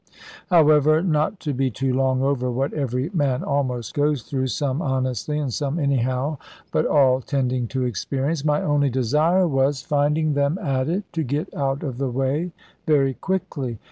However, not to be too long over what every man almost goes through (some honestly, and some anyhow, but all tending to experience), my only desire was, finding them at it, to get out of the way very quickly.